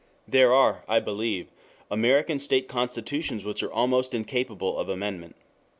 There are, I believe, American state constitutions which are almost incapable of amendment.